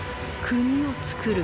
国を創る？